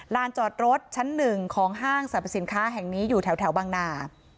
จอดรถชั้นหนึ่งของห้างสรรพสินค้าแห่งนี้อยู่แถวบางนา